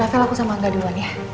rafael aku sama angga duluan ya